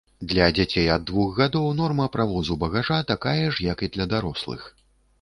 Для дзяцей ад двух гадоў норма правозу багажу такая ж, як і для дарослых.